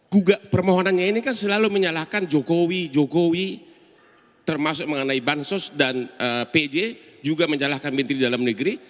gugat permohonannya ini kan selalu menyalahkan jokowi jokowi termasuk mengenai bansos dan pj juga menyalahkan menteri dalam negeri